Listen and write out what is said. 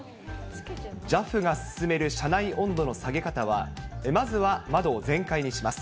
ＪＡＦが勧める車内温度の下げ方は、まずは窓を全開にします。